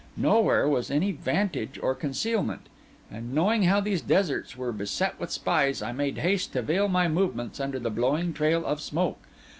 Nowhere was any vantage or concealment; and knowing how these deserts were beset with spies, I made haste to veil my movements under the blowing trail of smoke.